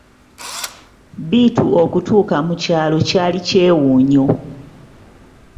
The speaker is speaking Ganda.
Bittu okutuuka mu kyalo kyali kyewuunyo.